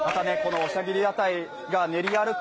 おしゃぎり屋台の練り歩く